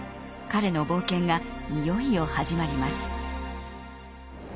彼の冒険がいよいよ始まります。